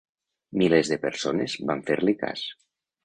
Milers de persones van fer-li cas.